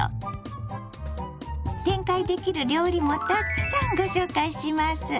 展開できる料理もたくさんご紹介します。